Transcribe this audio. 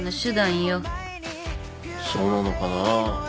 そうなのかなぁ。